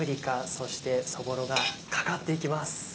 そしてそぼろがかかっていきます。